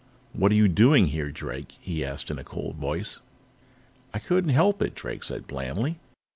"What are you doing here, Drake?" he asked in a cold voice. "I couldn't help it," Drake said blandly.